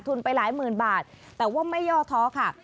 ไปหลายหมื่นบาทแต่ว่าไม่ย่อท้อค่ะ